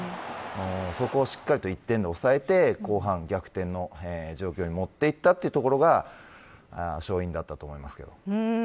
そこをしっかりと１点で押さえて後半逆転の状況にもっていったところが勝因だったと思います。